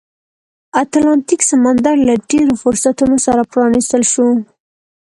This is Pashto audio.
اتلانتیک سمندر له لا ډېرو فرصتونو سره پرانیستل شو.